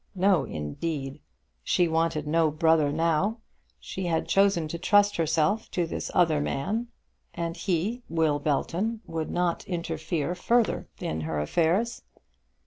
No, indeed. She wanted no brother now. She had chosen to trust herself to this other man, and he, Will Belton, would not interfere further in her affairs.